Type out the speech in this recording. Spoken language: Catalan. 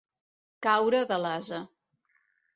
Caure de l'ase.